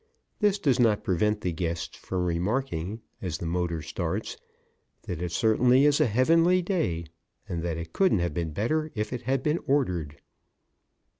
This does not prevent the guests from remarking, as the motor starts, that it certainly is a heavenly day and that it couldn't have been better if it had been ordered.